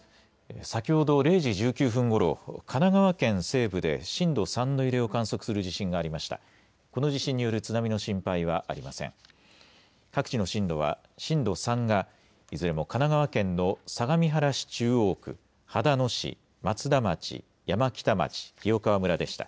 先ほど０時１９分ごろ、神奈川県西部で震度３の揺れを観測する地震がありました。